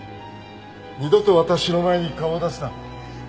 二度と私の前に顔を出すな。